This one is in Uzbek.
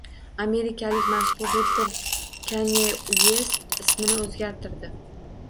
Amerikalik mashhur reper Kanye Uest ismini o‘zgartirdi